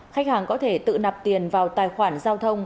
khách hàng có thể tự nạp tiền vào tài khoản giao thông